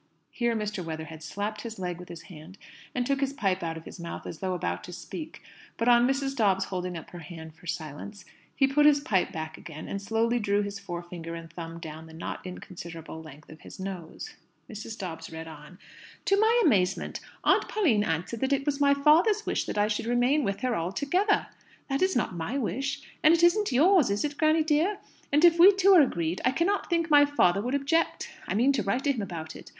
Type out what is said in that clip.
Here Mr. Weatherhead slapped his leg with his hand, and took his pipe out of his mouth as though about to speak; but on Mrs. Dobbs holding up her hand for silence, he put his pipe back again, and slowly drew his forefinger and thumb down the not inconsiderable length of his nose. Mrs. Dobbs read on: "To my amazement, Aunt Pauline answered that it was my father's wish that I should remain with her altogether! That is not my wish. And it isn't yours is it, granny dear? And if we two are agreed, I cannot think my father would object. I mean to write to him about it.